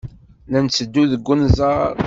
La netteddu deg unẓar.